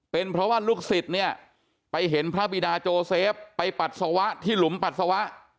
เป็นเพราะว่าลูกศิษย์เนี่ยไปเห็นพระบิดาโจเซฟไปปัสสาวะที่หลุมปัสสาวะ